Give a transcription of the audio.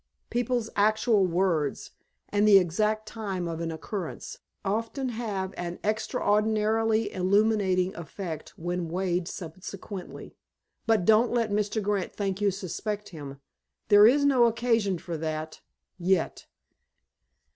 People's actual words, and the exact time of an occurrence, often have an extraordinarily illuminating effect when weighed subsequently. But don't let Mr. Grant think you suspect him. There is no occasion for that—yet."